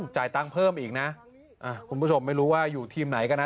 จ่ายตังค์เพิ่มอีกนะคุณผู้ชมไม่รู้ว่าอยู่ทีมไหนก็นะ